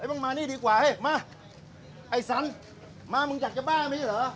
มึงมานี่ดีกว่าเฮ้ยมาไอ้สันมามึงอยากจะบ้าไม่ใช่เหรอ